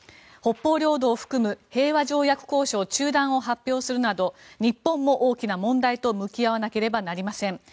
北方領土を含む平和条約交渉中断を発表するなど日本も大きな問題を向き合わなければなりません。